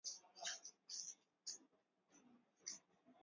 Tanganika mwezi wa saba inaikalaka na pepo mingi sana